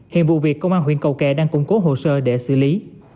hiện vụ việc công an huyện cầu kè đang củng cố hồ sơ để xử lý